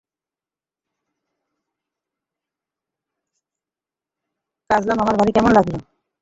কাজলা মামার বাড়ি কেমন লাগলো?